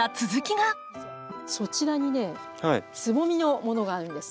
そちらにねつぼみのものがあるんです。